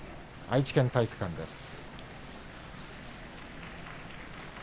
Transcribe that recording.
愛知県体育館です。